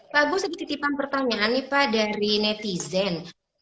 pak bu sedikit tipang pertanyaan nih pak dari netizen